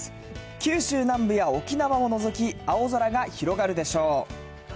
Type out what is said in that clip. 九州南部や沖縄を除き、青空が広がるでしょう。